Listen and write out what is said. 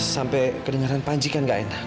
sampai kedengaran panji kan gak enak